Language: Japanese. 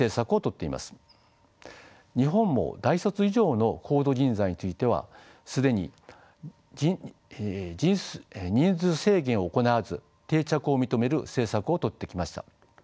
日本も大卒以上の高度人材については既に人数制限を行わず定着を認める政策をとってきました。